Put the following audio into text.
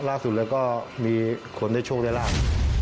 รากสุดเลยก็มีคนได้โชคได้ราบ